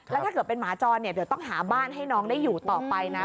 แล้วถ้าเกิดเป็นหมาจรเนี่ยเดี๋ยวต้องหาบ้านให้น้องได้อยู่ต่อไปนะ